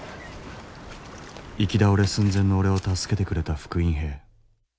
行き倒れ寸前の俺を助けてくれた復員兵。